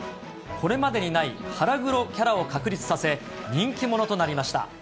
これまでにない腹黒キャラを確立させ、人気者となりました。